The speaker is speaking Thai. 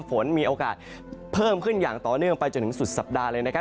ฝนมีโอกาสเพิ่มขึ้นอย่างต่อเนื่องไปจนถึงสุดสัปดาห์เลยนะครับ